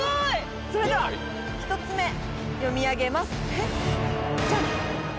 それでは１つ目読み上げますジャン！